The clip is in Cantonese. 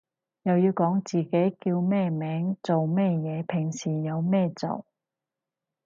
又要講自己叫咩名做咩嘢平時有咩做